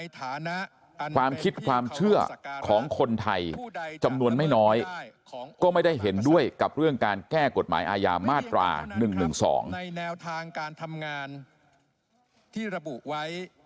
แต่ความคิดความเชื่อของคนไทยจำนวนไม่น้อยก็ไม่ได้เห็นด้วยกับเรื่องการแก้กฎหมายอาญามาตรา๑๑๒